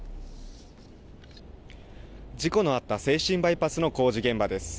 事故のあった静清バイパスの工事現場です。